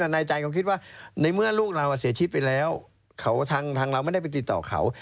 ในใจเขาคิดว่าในเมื่อลูกเราเสียชีวิตไปแล้วทางเราไม่ได้ไปติดต่อเขา